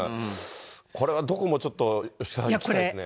これはどこもちょっと吉川さん、行きたいですね。